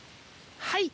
はい。